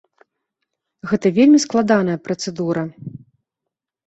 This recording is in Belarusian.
Гэта вельмі складаная працэдура.